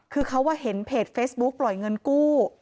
คือเขาเห็นเพจเฟซบุ๊คปล่อยเงินกู้